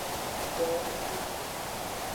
Dowavi.